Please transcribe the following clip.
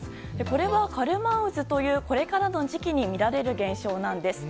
これはカルマン渦というこれからの時期に見られる現象なんです。